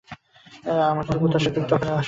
যখন আমরা কিছু প্রত্যাশা করি, তখনই আসক্তি আসে।